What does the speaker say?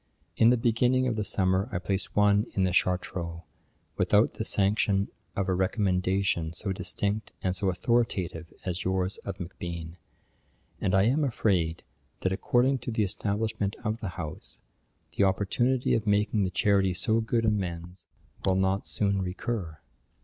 'In the beginning of the summer I placed one in the Chartreux, without the sanction of a recommendation so distinct and so authoritative as yours of Macbean; and I am afraid, that according to the establishment of the House, the opportunity of making the charity so good amends will not soon recur.